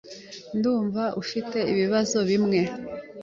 Ndumva ufite ibibazo bimwe.